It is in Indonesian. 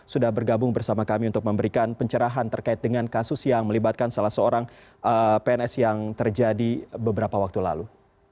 sudah bergabung bersama kami untuk memberikan pencerahan terkait dengan kasus yang melibatkan salah seorang pns yang terjadi beberapa waktu lalu